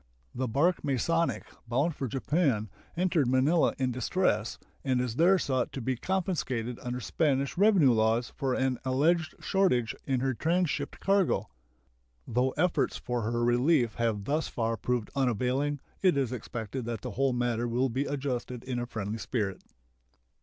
The bark Masonic, bound for Japan, entered Manila in distress, and is there sought to be confiscated under Spanish revenue laws for an alleged shortage in her transshipped cargo. Though efforts for her relief have thus far proved unavailing, it is expected that the whole matter will be adjusted in a friendly spirit.